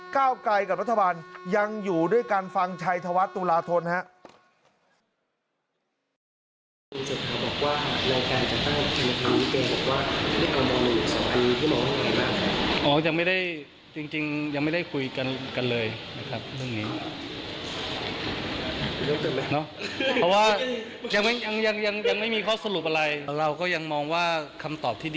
ก้าวไกลกับรัฐบาลยังอยู่ด้วยกันฟังชัยธวัฒน์ตุลาทนครับ